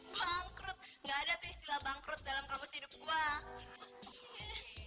bangkrut gak ada tuh istilah bangkrut dalam kamus hidup gue